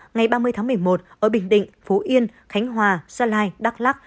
ngày ba mươi tháng một mươi một ở bình định phú yên khánh hòa gia lai đắk lắc